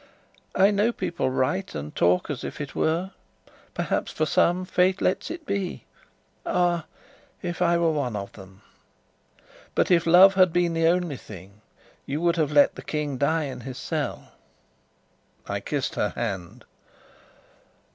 "I know people write and talk as if it were. Perhaps, for some, Fate lets it be. Ah, if I were one of them! But if love had been the only thing, you would have let the King die in his cell." I kissed her hand.